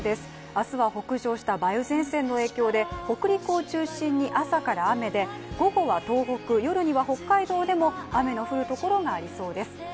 明日は北上した梅雨前線の影響で北陸を中心に朝から雨で午後は東北、夜には北海道でも雨の降るところがありそうです。